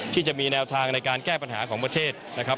ที่จะมีแนวทางในการแก้ปัญหาของประเทศนะครับ